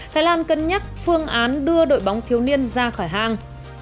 thái lan cân nhắc phương án đưa đội bóng thiếu niên ra khỏi hang